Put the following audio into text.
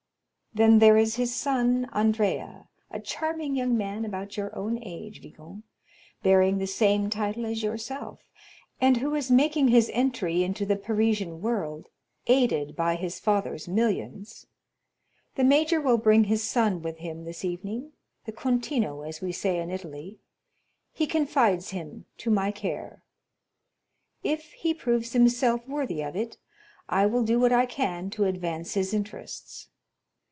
Then there is his son, Andrea, a charming young man, about your own age, viscount, bearing the same title as yourself, and who is making his entry into the Parisian world, aided by his father's millions. The major will bring his son with him this evening, the contino, as we say in Italy; he confides him to my care. If he proves himself worthy of it, I will do what I can to advance his interests.